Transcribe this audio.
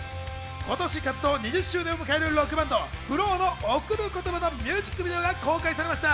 今年、活動２０周年を迎えるロックバンド・ＦＬＯＷの『贈る言葉』のミュージックビデオが公開されました。